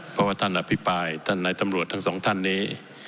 เพราะว่าท่านอภิปรายท่านในตำรวจทั้งสองท่านนี้